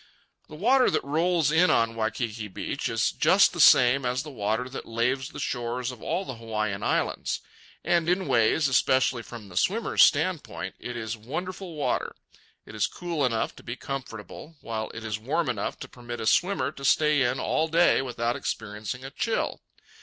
The water that rolls in on Waikiki Beach is just the same as the water that laves the shores of all the Hawaiian Islands; and in ways, especially from the swimmer's standpoint, it is wonderful water. It is cool enough to be comfortable, while it is warm enough to permit a swimmer to stay in all day without experiencing a chill.